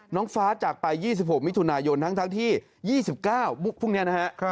น้องฟ้าจากไป๒๖มิถุนายนทั้งที่๒๙พรุ่งนี้นะฮะ